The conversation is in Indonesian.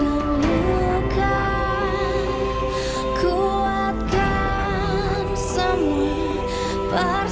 selamat hari pendidikan nasional